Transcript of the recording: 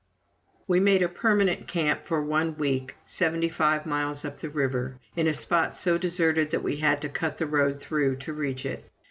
We made a permanent camp for one week seventy five miles up the river, in a spot so deserted that we had to cut the road through to reach it.